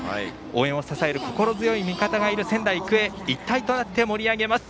応援を支える力強い味方がいる仙台育英一体となって盛り上げます。